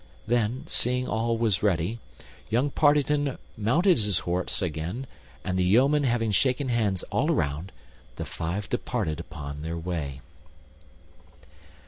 Then, seeing all were ready, young Partington mounted his horse again, and the yeomen having shaken hands all around, the five departed upon their way.